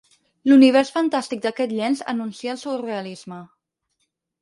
L'univers fantàstic d'aquest llenç anuncia el surrealisme.